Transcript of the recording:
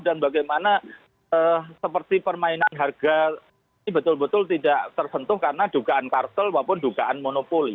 bagaimana seperti permainan harga ini betul betul tidak tersentuh karena dugaan kartel maupun dugaan monopoli